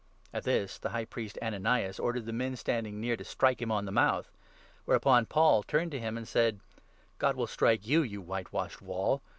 At this, the High Priest Ananias ordered the men standing 2 near to strike him on the mouth ; whereupon Paul turned to 3 him and said :" God will strike you, you white washed wall